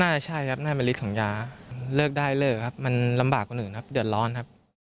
น่าจะใช่ครับน่าจะเป็นฤทธิ์ของยาเลิกได้เลิกครับมันลำบากกว่าอื่นครับเดือดร้อนครับ